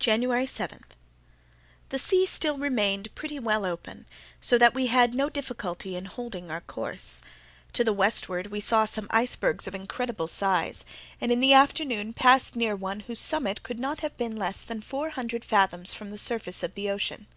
January 7.—The sea still remained pretty well open, so that we had no difficulty in holding on our course. To the westward we saw some icebergs of incredible size, and in the afternoon passed very near one whose summit could not have been less than four hundred fathoms from the surface of the ocean.